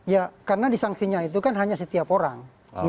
ya karena disangsinya itu kan hanya setiap orang